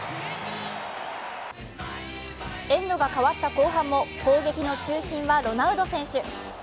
エンドが変わった後半も攻撃の中心はロナウド選手。